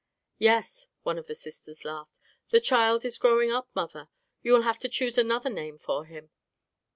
"Yes," one of the sisters laughed, "the child is growing up, mother; you will have to choose another name for him."